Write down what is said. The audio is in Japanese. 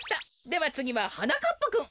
ではつぎははなかっぱくん。